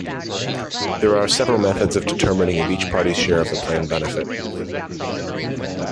There are several methods of determining of each party's share of the plan benefit.